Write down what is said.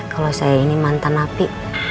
kalau saya ini mantan napi